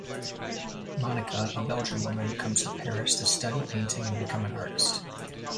Monica, a Belgian woman, comes to Paris to study painting and become an artist.